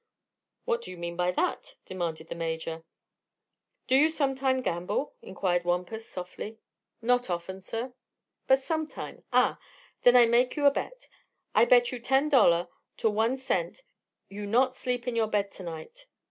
"What do you mean by that?" demanded the Major. "Do you sometime gamble?" inquired Wampus softly. "Not often, sir." "But sometime? Ah! Then I make you a bet. I bet you ten dollar to one cent you not sleep in your bed to night."